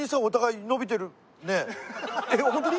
えっホントに？